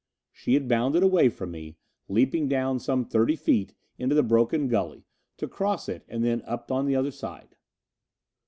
She had bounded away from me, leaped down some thirty feet into the broken gully, to cross it and then up on the other side.